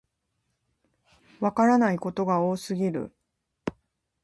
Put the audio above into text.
わからないことが多すぎる